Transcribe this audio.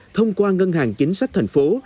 thông qua ngân hàng chính sách thành phố